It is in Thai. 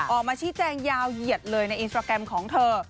ออกมาชี้แจงยาวเหยียดเลยในอินสตราแกรมของเธอ